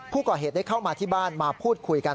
ผู้ก่อเหตุได้เข้ามาที่บ้านมาพูดคุยกัน